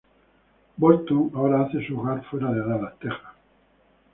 Bolton ahora hace su hogar fuera de Dallas, Texas.